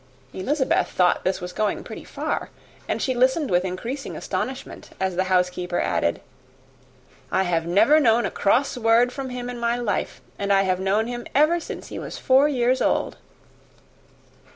Elizabeth thought this was going pretty far; and she listened with increasing astonishment as the housekeeper added, "I have never had a cross word from him in my life, and I have known him ever since he was four years old."